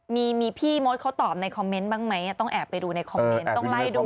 มีพี่มดเขาตอบในคอมเมนต์บ้างไหมต้องแอบไปดูในคอมเมนต์ต้องไล่ดู